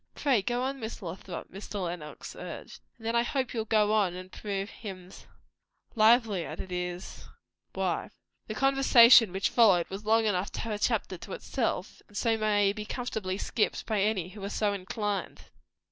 "Pray go on, Miss Lothrop!" Mr. Lenox urged. "And then I hope you'll go on and prove hymns lively," added his wife. The conversation which followed was long enough to have a chapter to itself; and so may be comfortably skipped by any who are so inclined.